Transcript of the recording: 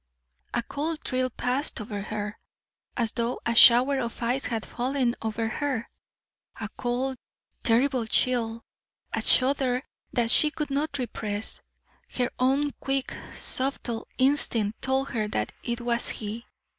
A cold thrill passed over her, as though a shower of ice had fallen over her a cold, terrible chill, a shudder that she could not repress. Her own quick, subtle instinct told her that it was he.